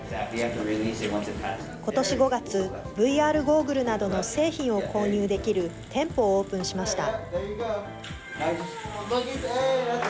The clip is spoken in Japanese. ことし５月、ＶＲゴーグルなどの製品を購入できる店舗をオープンしました。